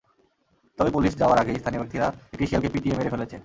তবে পুলিশ যাওয়ার আগেই স্থানীয় ব্যক্তিরা একটি শিয়ালকে পিটিয়ে মেরে ফেলেছে।